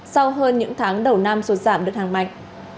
sau hơn những tháng đầu năm xuất giảm được hàng mạch